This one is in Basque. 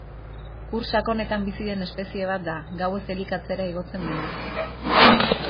Ur sakonetan bizi den espezie bat da, gauez elikatzera igotzen dena.